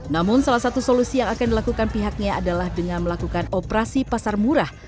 namun salah satu solusi yang akan dilakukan pihaknya adalah dengan melakukan operasi pasar murah